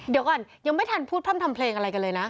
เดี๋ยวก่อนยังไม่ทันพูดพร่ำทำเพลงอะไรกันเลยนะ